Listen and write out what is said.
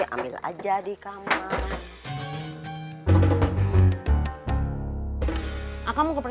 ambil aja di kamar